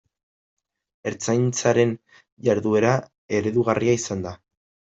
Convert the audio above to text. Ertzaintzaren jarduera eredugarria izan da.